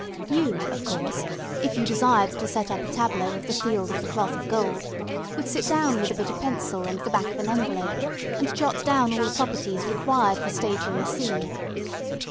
You, of course, if you desired to set up a tableau of the Field of the Cloth of Gold, would sit down with a bit of pencil and the back of an envelope and jot down all the properties required for staging the scene.